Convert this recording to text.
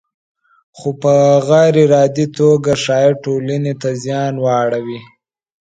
خو په غیر ارادي توګه شاید ټولنې ته زیان واړوي.